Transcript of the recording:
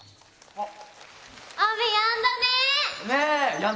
あっ！